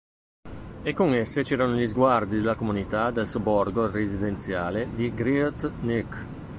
E con esse c'erano gli sguardi della comunità del sobborgo residenziale di Great Neck.